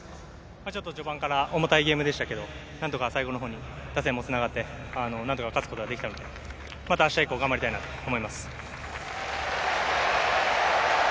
ちょっと序盤から重たいゲームでしたけど、最後の方に打線もつながって、何とか勝つことができたので、また明日以降頑張りたいなと思います。